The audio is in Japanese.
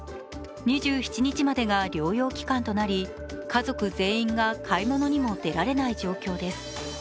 ２７日までが療養期間となり家族全員が買い物にも出られない状況です。